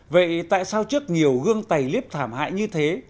vậy tại sao trước nhiều gương tài liếp thảm hại như thế